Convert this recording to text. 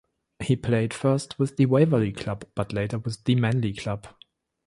He played first with the Waverley club but later with the Manly club.